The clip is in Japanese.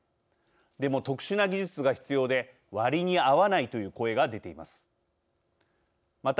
でも、特殊な技術が必要で割に合わないという声が出ています。